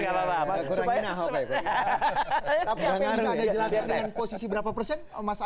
tapi apa yang bisa anda jelaskan dengan posisi berikutnya